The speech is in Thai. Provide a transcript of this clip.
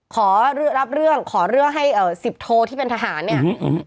ขอรับเรื่องขอเรื่องให้เอ่อสิบโทที่เป็นทหารเนี่ย